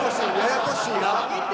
ややこしいなぁ。